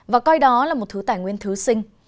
và coi đó là một thứ tài nguyên thứ sinh